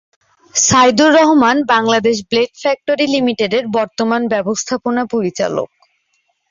Saidur Rahman Bangladesh blade factory লিমিটেডের বর্তমান ব্যবস্থাপনা পরিচালক।